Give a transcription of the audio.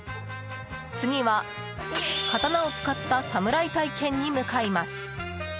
次は、刀を使った侍体験に向かいます。